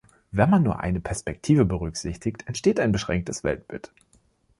Wenn man nur eine Perspektive berücksichtigt, entsteht ein beschränktes Weltbild.